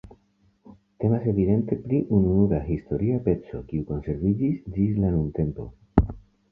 Temas evidente pri ununura historia peco, kiu konserviĝis ĝis la nuntempo.